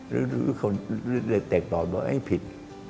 ลูกของเด็กต่อบอกว่าให้ผิด